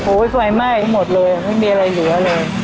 ไฟไหม้หมดเลยไม่มีอะไรเหลือเลย